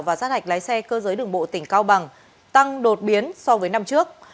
và sát hạch lái xe cơ giới đường bộ tỉnh cao bằng tăng đột biến so với năm trước